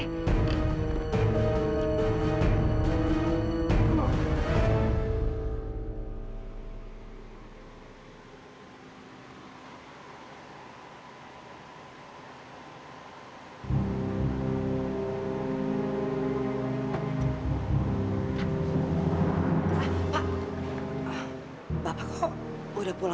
ini bahaya procedur